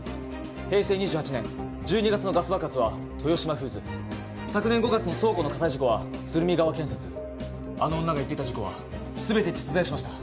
平成２８年１２月のガス爆発は豊島フーズ昨年５月の倉庫の火災事故は鶴見川建設あの女が言ってた事故は全て実在しました